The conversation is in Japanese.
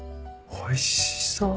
おいしそう。